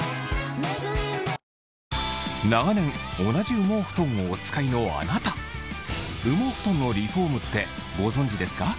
長年同じ羽毛ふとんをお使いのあなた羽毛ふとんのリフォームってご存じですか？